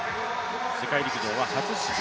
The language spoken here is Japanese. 世界陸上は初出場。